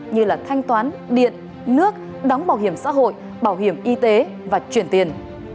như là thanh toán điện nước đóng bảo hiểm xã hội bảo hiểm y tế và chuyển tiền